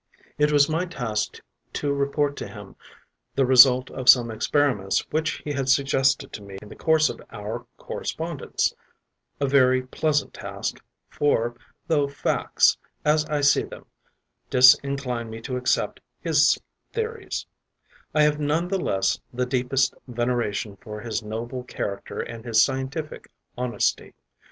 It was my task to report to him the result of some experiments which he had suggested to me in the course of our correspondence: a very pleasant task, for, though facts, as I see them, disincline me to accept his theories, I have none the less the deepest veneration for his noble character and his scientific honesty.